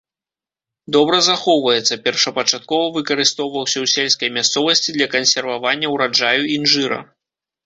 Добра захоўваецца, першапачаткова выкарыстоўваўся ў сельскай мясцовасці для кансервавання ўраджаю інжыра.